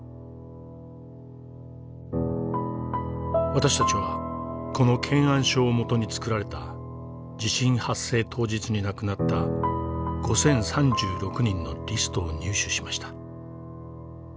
私たちはこの検案書をもとに作られた地震発生当日に亡くなった５，０３６人のリストを入手しました。